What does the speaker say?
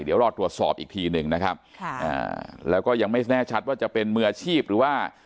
เดี๋ยวรอตรวจสอบอีกทีหนึ่งนะครับค่ะอ่าแล้วก็ยังไม่แน่ชัดว่าจะเป็นมืออาชีพหรือว่า